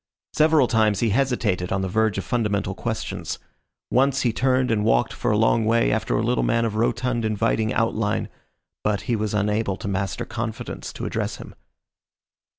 Several times he hesitated on the verge of fundamental questions. Once he turned and walked for a long way after a little man of rotund inviting outline, but he was unable to master confidence to address him.